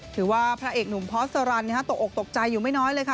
ถือว่าพระเอกหนุ่มพอร์ชสาลันด์ตกออกตกใจอยู่ไม่น้อยเลยค่ะ